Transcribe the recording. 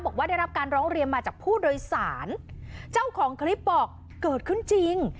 ได้รับการร้องเรียนมาจากผู้โดยสารเจ้าของคลิปบอกเกิดขึ้นจริง